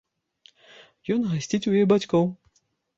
Ён гасціць у яе бацькоў.